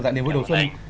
dạng niềm vui đầu xuân